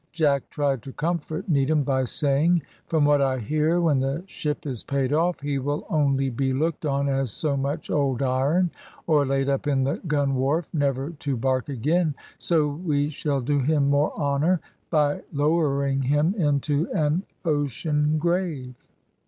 Jack tried to comfort Needham by saying "From what I hear, when the ship is paid off, he will only be looked on as so much old iron, or laid up in the gun wharf never to bark again, so we shall do him more honour by lowering him into an ocean grave."